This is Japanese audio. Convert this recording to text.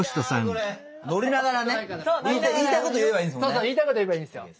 そうそう言いたいこと言えばいいですよ。